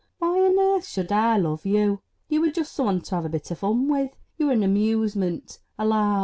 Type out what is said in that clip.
Why on earth should I love you ? You were just someone to have a bit of fun with. You were an amusement a lark.